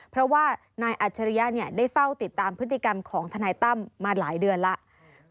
เพราะว่านายอัจฉริยะได้เฝ้าติดตามพฤติกรรมของทนายตั้มมาหลายเดือนแล้ว